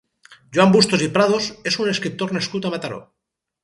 Joan Bustos i Prados és un escriptor nascut a Mataró.